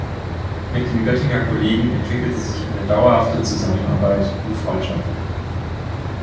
Mit den Göttinger Kollegen entwickelte sich eine dauerhafte Zusammenarbeit und Freundschaft.